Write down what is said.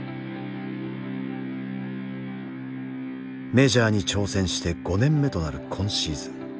メジャーに挑戦して５年目となる今シーズン。